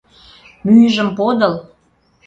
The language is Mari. Мӱйжым подыл...